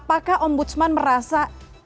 apakah om budsman merasa